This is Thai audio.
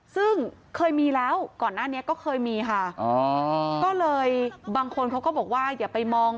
ซึ่งเคยมีแล้วก่อนหน้านี้ก็เคยมีค่ะอ๋อก็เลยบางคนเขาก็บอกว่าอย่าไปมอง